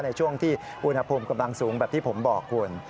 ในช่วงที่อุณหภูมิกำลังสูงแบบที่ผมบอกคุณ